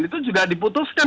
itu juga diputuskan